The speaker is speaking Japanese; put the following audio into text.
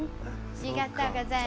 ありがとうございます。